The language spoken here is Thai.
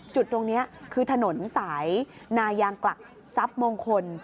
จุดตรงนี้คือถนนสายนายางกลักทรัพย์มงคล